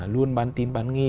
luôn bán tin bán nghi